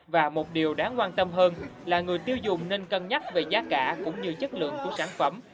và một điều đáng quan tâm hơn là người tiêu dùng nên cân nhắc về giá cả cũng như chất lượng của sản phẩm